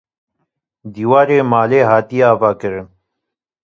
Dîwarê malê hatiye avakirin